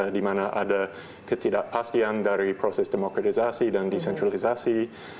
dimana ada ketidakpastian dari proses demokratisasi dan desentralisasi